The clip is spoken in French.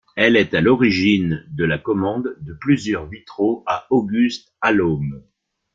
Elle est à l'origine de la commande de plusieurs vitraux à Auguste Alleaume.